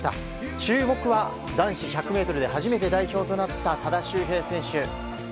注目は男子１００ｍで初めて代表となった多田修平選手。